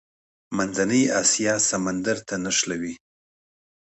منځنۍ اسیا سمندر ته نښلوي.